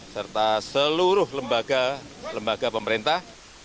serta seluruh lembaga lembaga pemerintah